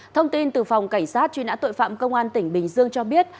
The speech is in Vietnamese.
thông tin từ phòng cảnh sát truy nã tội phạm công an tỉnh bình dương cho biết